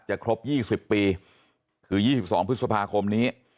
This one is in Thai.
ครบ๒๐ปีคือ๒๒พฤษภาคมนี้